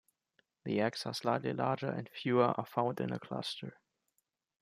The eggs are slightly larger and fewer are found in a cluster.